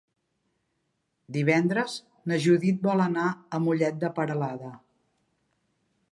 Divendres na Judit vol anar a Mollet de Peralada.